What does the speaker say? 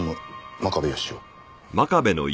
真壁義雄」